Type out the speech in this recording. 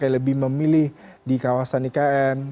lebih memilih di kawasan ikn